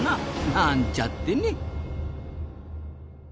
なんちゃってね。